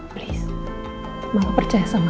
please mama percaya sama kamu